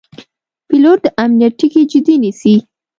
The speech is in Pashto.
پیلوټ د امنیت ټکي جدي نیسي.